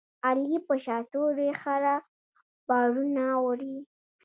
علي په شاتوري خره بارونه وړي.